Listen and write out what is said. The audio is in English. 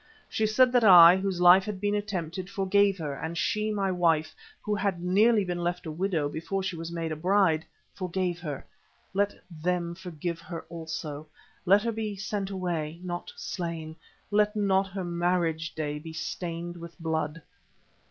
She said that I, whose life had been attempted, forgave her, and she, my wife, who had nearly been left a widow before she was made a bride, forgave her; let them forgive her also, let her be sent away, not slain, let not her marriage day be stained with blood.